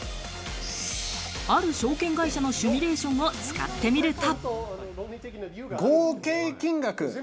ある証券会社のシミュレーションを使ってみると。